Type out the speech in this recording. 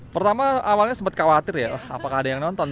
pertama awalnya sempat khawatir ya apakah ada yang nonton